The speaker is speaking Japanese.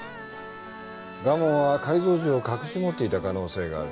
蒲生は改造銃を隠し持っていた可能性がある。